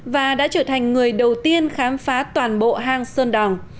và đã trở thành người đầu tiên khám phá toàn bộ hang sơn đòn